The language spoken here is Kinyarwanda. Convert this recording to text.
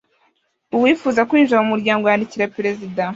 Uwifuza kwinjira mu muryango yandikira Perezida